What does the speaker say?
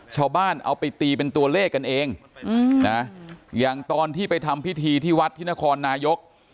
ชาวบ้านเอาไปตีเป็นตัวเลขกันเองนะอย่างตอนที่ไปทำพิธีที่วัดที่นครนายก